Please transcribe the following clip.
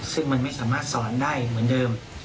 ซึ่งมันไม่สามารถสอนได้เหมือนเดิม